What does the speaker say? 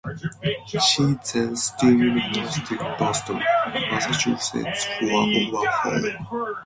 She then steamed north to Boston, Massachusetts for overhaul.